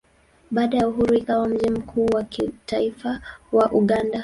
Baada ya uhuru ikawa mji mkuu wa kitaifa wa Uganda.